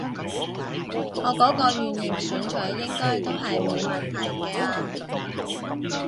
我嗰個圓形選取應該都係冇問題嘅啊